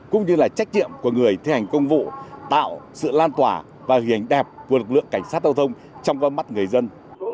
cũng như là trách nhiệm của người thi hành công vụ tạo sự lan tỏa và hình ảnh đẹp của lực lượng cảnh sát giao thông trong con mắt người dân